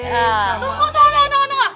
tunggu tunggu tunggu tunggu